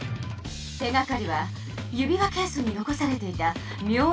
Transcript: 手がかりは指輪ケースに残されていたみょうな紙よ。